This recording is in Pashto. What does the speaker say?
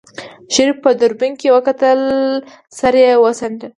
شريف په دوربين کې وکتل سر يې وڅنډه.